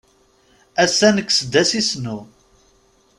Ass-a nekkes-d asisnu.